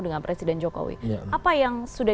dengan presiden jokowi apa yang sudah